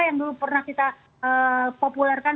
yang dulu pernah kita populerkan